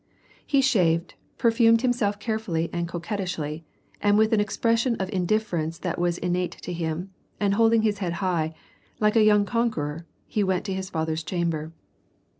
He shaved, perfumed himself carefully and coquettishly, and with an expression of indifference that was innate in him, and holding his head high, like a young conqueror, he went to his father's chamber.